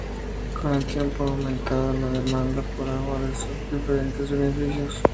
Con el tiempo ha aumentado la demanda por agua por sus diferentes beneficios.